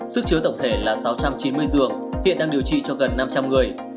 sức chứa tổng thể là sáu trăm chín mươi giường hiện đang điều trị cho gần năm trăm linh người